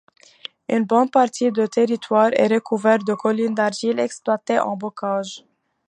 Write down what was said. Une bonne partie du territoire est recouvert de collines d'argile exploitées en bocages.